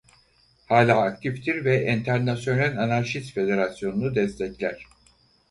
Hala aktiftir ve Enternasyonal Anarşist Federasyonunu destekler.